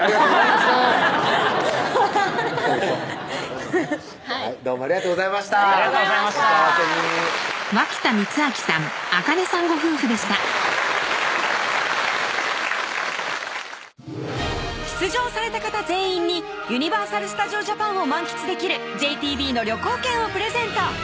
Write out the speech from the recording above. また今度ねどうもありがとうございましたお幸せに出場された方全員にユニバーサル・スタジオ・ジャパンを満喫できるＪＴＢの旅行券をプレゼント